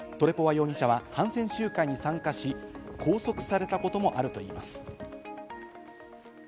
トレポワ容疑者は反戦集会に参加し、拘束されたこともあるといいます。